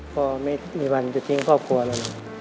พอไม่มีวันจะทิ้งพ่อพ่อแล้วนะ